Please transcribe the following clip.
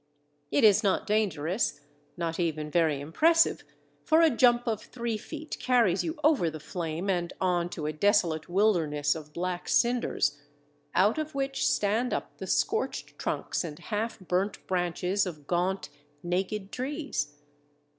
It is not dangerous, not even very impressive, for a jump of three feet carries you over the flame and on to a desolate wilderness of black cinders, out of which stand up the scorched trunks and half burnt branches of gaunt, naked trees.